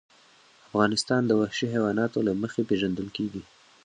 افغانستان د وحشي حیواناتو له مخې پېژندل کېږي.